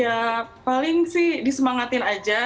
ya paling sih disemangatin aja